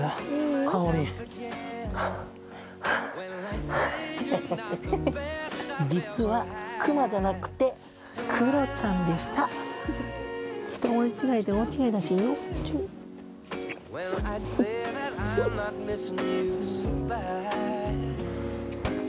香り実はクマじゃなくてクロちゃんでした一文字違いで大違いだしんよ